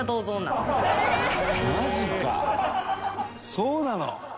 そうなの？